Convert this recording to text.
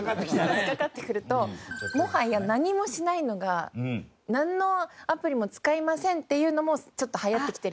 差し掛かってくるともはや何もしないのがなんのアプリも使いませんっていうのもちょっとはやってきてるんです。